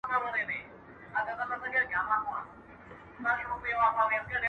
o ژړ سپى د چغال ورور دئ!